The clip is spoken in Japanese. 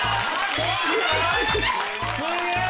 すげえ！